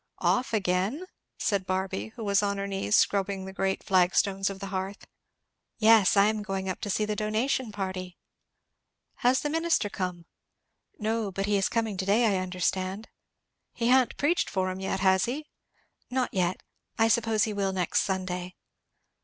"Off again?" said Barby, who was on her knees scrubbing the great flag stones of the hearth. "Yes, I am going up to see the donation party." "Has the minister come?" "No, but he is coming to day, I understand." "He ha'n't preached for 'em yet, has he?" "Not yet; I suppose he will next Sunday."